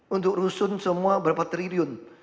untuk rusun semua berapa triliun